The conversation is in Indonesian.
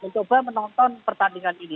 mencoba menonton pertandingan ini